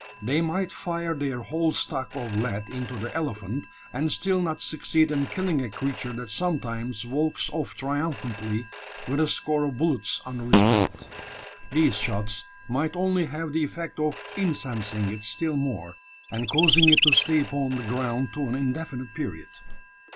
They might fire their whole stock of lead into the elephant, and still not succeed in killing a creature that sometimes walks off triumphantly with a score of bullets "under his belt." These shots might only have the effect of incensing it still more, and causing it to stay upon the ground to an indefinite period.